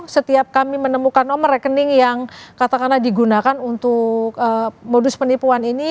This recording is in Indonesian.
setiap kami menemukan nomor rekening yang katakanlah digunakan untuk modus penipuan ini